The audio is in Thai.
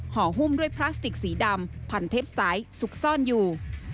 หุ้มด้วยพลาสติกสีดำพันเทปไซส์ซุกซ่อนอยู่